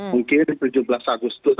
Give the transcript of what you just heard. mungkin tujuh belas agustus